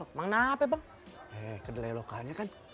emang kenapa bang eh kedelai lokalnya kan